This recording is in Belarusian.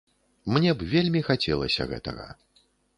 Мне б вельмі хацелася гэтага.